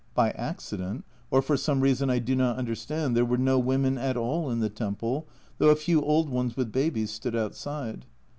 By accident, or for some reason I do not understand, there were no women at all in the temple, though a few old ones with babies stood outside.